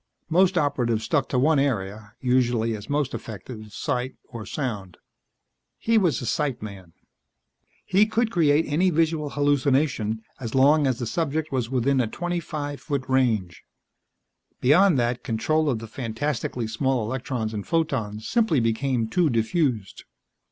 Most Operatives stuck to one area usually, as most effective, sight or sound. He was a sight man. He could create any visual hallucination, as long as the subject was within a twenty five foot range. Beyond that, control of the fantastically small electrons and photons simply became too diffused.